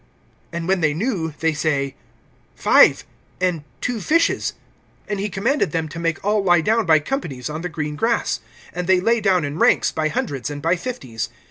And when they knew, they say: Five, and two fishes. (39)And he commanded them to make all lie down by companies on the green grass. (40)And they lay down in ranks, by hundreds, and by fifties.